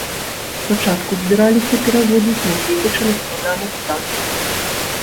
Спачатку збіраліся пераводзіць, нягледзячы на складаны стан.